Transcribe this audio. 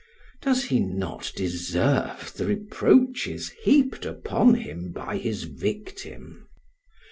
Does he not deserve the reproaches heaped upon him by his victim?